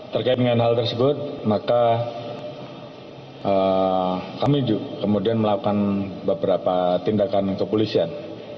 terkait dengan hal tersebut maka kami kemudian melakukan beberapa tindakan kepolisian